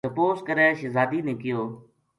تپوس کرے شہزادی نے کہیو